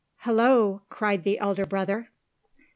"Hullo!" cried the elder brother.